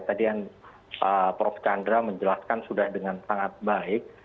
tadi yang prof chandra menjelaskan sudah dengan sangat baik